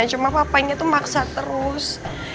cuma papanya itu maksa terus